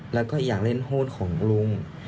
แล้วก็อยากเล่นโฮดของลุง